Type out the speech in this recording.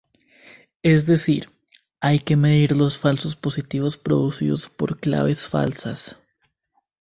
Es decir, hay que medir los falsos positivos producidos por "claves falsas".